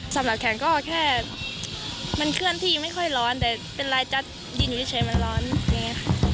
สำหรับแขนก็แค่มันเคลื่อนที่ยังไม่ค่อยร้อนแต่เป็นลายจัดดินอยู่เฉยมันร้อนอย่างนี้ค่ะ